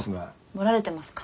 ぼられてますか。